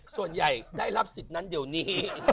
ส่วนใหญ่ได้รับสิทธิ์นั้นเดี๋ยวนี้